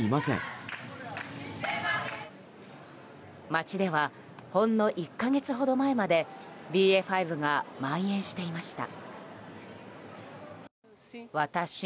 街ではほんの１か月ほど前までＢＡ．５がまん延していました。